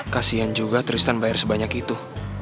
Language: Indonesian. kasian juga tristan bayar sebanyak itu